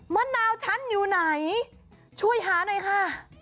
มะนาวฉันอยู่ไหนช่วยหาหน่อยค่ะ